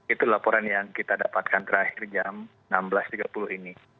itu laporan yang kita dapatkan terakhir jam enam belas tiga puluh ini